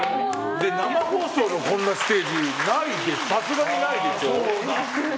生放送のこんなステージなんてさすがにないでしょ。